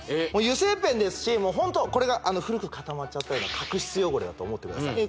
油性ペンですしホントこれが古く固まっちゃったような角質汚れだと思ってください